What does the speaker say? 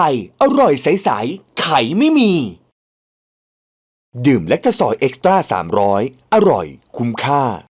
มันเปลี่ยนเลยหรอครับ